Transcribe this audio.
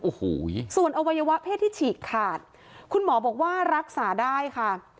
โอ้โหส่วนอวัยวะเพศที่ฉีกขาดคุณหมอบอกว่ารักษาได้ค่ะ